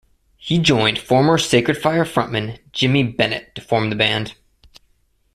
He joined former Sacred Fire frontman, Jimi Bennett to form the band.